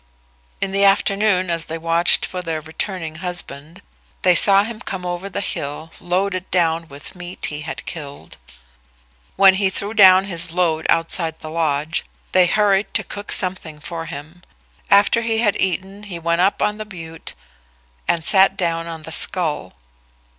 In the afternoon, as they watched for their returning husband, they saw him come over the hill loaded down with meat that he had killed. When he threw down his load outside the lodge, they hurried to cook something for him. After he had eaten he went up on the butte and sat down on the skull.